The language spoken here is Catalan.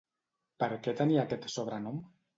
Per què tenia aquest sobrenom?